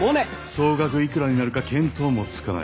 総額幾らになるか見当もつかない。